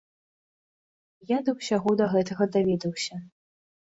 Я да ўсяго да гэтага даведаўся.